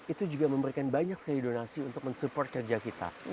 itu juga memberikan banyak sekali donasi untuk mensupport kerja kita